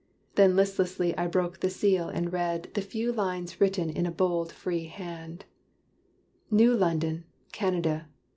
Then listlessly I broke the seal and read The few lines written in a bold free hand: "New London, Canada.